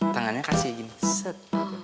tangannya kasih gini set